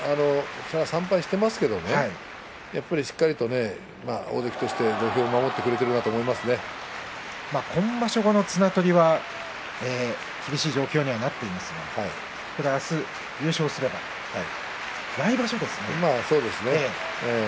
３敗はしていますがしっかり大関として土俵を今場所後の綱取りは厳しい状況にはなっていますが明日、優勝すればその次の場所ですね。